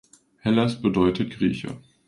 Hellas bedeutet "Grieche".